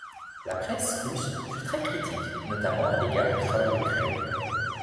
La presse russe fut très critique, notamment à l'égard du travail de Craig.